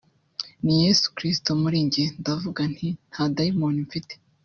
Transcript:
ni Yesu Kristo muri njye ndavuga nti nta Dayimoni mfite